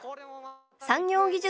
産業技術